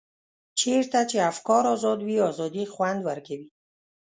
چېرته چې افکار ازاد وي ازادي خوند ورکوي.